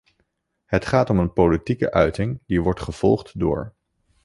Het gaat om een politieke uiting, die wordt gevolgd door...